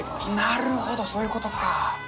なるほど、そういうことか。